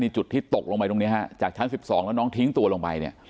จุดที่ตกลงไปตรงนี้ฮะจากชั้น๑๒แล้วน้องทิ้งตัวลงไปเนี่ย